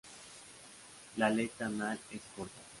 La aleta anal es corta.